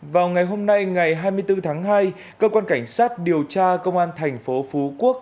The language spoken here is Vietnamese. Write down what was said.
vào ngày hôm nay ngày hai mươi bốn tháng hai cơ quan cảnh sát điều tra công an thành phố phú quốc